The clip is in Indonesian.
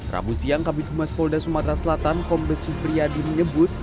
rabu siang kabinet humas polda sumatera selatan kombes supriyadi menyebut